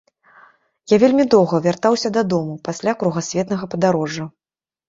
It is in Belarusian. Я вельмі доўга вяртаўся дадому пасля кругасветнага падарожжа.